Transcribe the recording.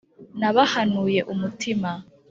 Nabahanuye umutima